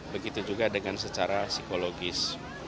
begitu juga dengan secara psikologis